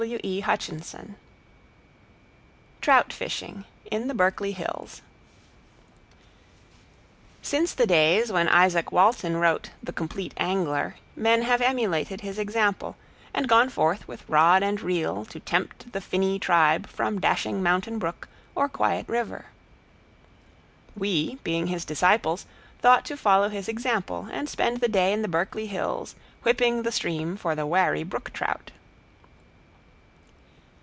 Trout Fishing in the Berkeley Hills Since the days when Izaak Walton wrote The Complete Angler, men have emulated his example, and gone forth with rod and reel to tempt the finny tribe from dashing mountain brook or quiet river. We, being his disciples, thought to follow his example, and spend the day in the Berkeley hills whipping the stream for the wary brook trout.